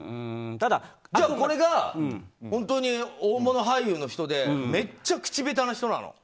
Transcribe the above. これが、本当に大物俳優の人でめっちゃ口下手な人なの。